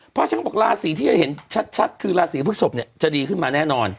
เพราะฉะนั้นเขาบอกราศีที่จะเห็นชัดคือราศีพฤกษกเนี่ยจะดีขึ้นมาแน่นอน